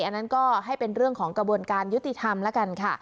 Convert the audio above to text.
อันนั้นก็ให้เป็นเรื่องของกระบวนการยุติธรรมแล้วกันค่ะ